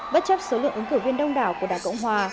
bất chấp số lượng ứng cử viên đông đảo của đảng cộng hòa